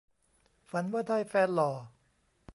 ฝันว่าได้แฟนหล่อ